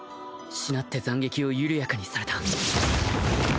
しなって斬撃を緩やかにされた